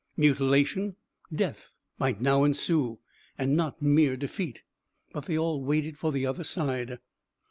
Mutilation, death might now ensue, and not mere defeat. But they all waited for the other side.